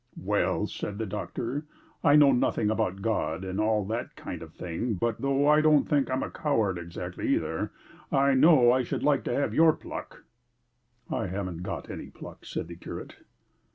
"Well," said the doctor, "I know nothing about God and all that kind of thing, but, though I don't think I'm a coward exactly either, I know I should like to have your pluck." "I haven't got any pluck," said the curate.